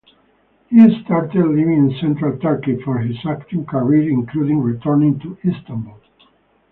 He started living in central Turkey for his acting career including returning to Istanbul.